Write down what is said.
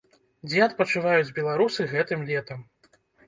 Дзе адпачываюць беларусы гэтым летам?